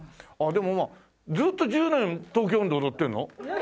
でもまあずっと１０年『東京音頭』踊ってるの？